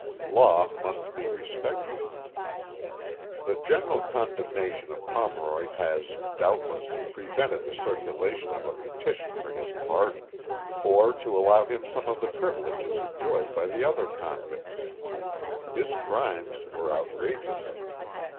Law must be respected. The general condemnation of Pomeroy has, doubtless, pre vented the circulation of a petition for his pardon, or to allow him some of the privileges enjoyed by the other convicts. His crimes were outrageous.